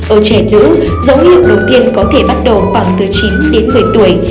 ở trẻ nữ dấu hiệu đầu tiên có thể bắt đầu khoảng từ chín đến một mươi tuổi